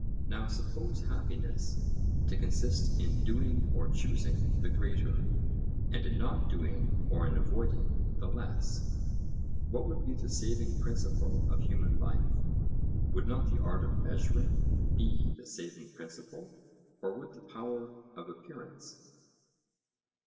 Now suppose happiness to consist in doing or choosing the greater, and in not doing or in avoiding the less, what would be the saving principle of human life? Would not the art of measuring be the saving principle; or would the power of appearance?